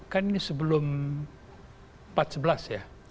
kan ini sebelum empat sebelas ya